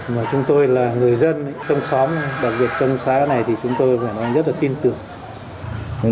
mà chúng tôi là người dân trong xóm đặc biệt trong xã này thì chúng tôi phải rất là tin tưởng